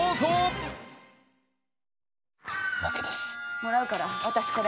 もらうから、私これ。